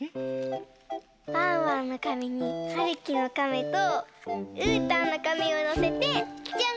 ワンワンのカメにはるきのカメとうーたんのカメをのせてじゃん！